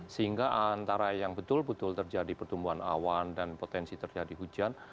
sehingga antara yang betul betul terjadi pertumbuhan awan dan potensi terjadi hujan